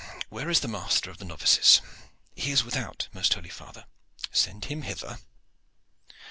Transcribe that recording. Where is the master of the novices?" "He is without, most holy father." "Send him hither."